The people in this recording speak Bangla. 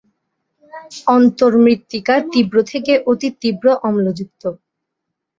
অন্তর্মৃত্তিকা তীব্র থেকে অতি তীব্র অম্লযুক্ত।